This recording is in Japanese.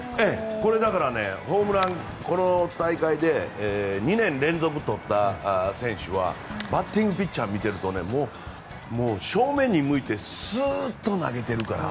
これ、この大会で２年連続とった選手はバッティングピッチャーを見てると正面に向いてすっと投げてるから。